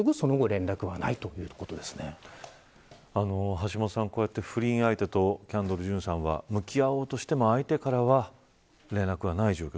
橋下さん、こうやって不倫相手とキャンドル・ジュンさんは向き合おうとしても相手からは連絡がない状況。